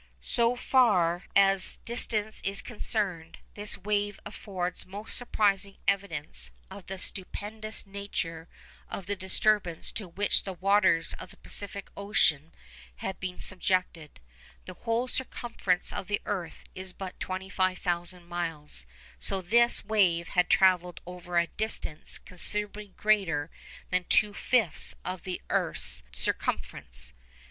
So far as distance is concerned, this wave affords most surprising evidence of the stupendous nature of the disturbance to which the waters of the Pacific Ocean had been subjected. The whole circumference of the earth is but 25,000 miles, so that this wave had travelled over a distance considerably greater than two fifths of the earth's circumference.